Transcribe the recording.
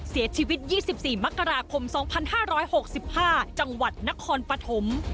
เสียชีวิต๒๔มกราคม๒๕๖๕จังหวัดนครปฐม